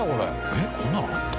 えっこんなのあった？